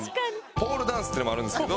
ポールダンスっていうのもあるんですけど。